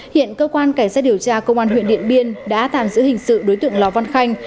hiện cơ quan cảnh sát điều tra công an huyện điện biên đã tạm giữ hình sự đối tượng lò văn khanh